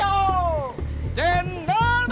yang dihantarin ke toko buku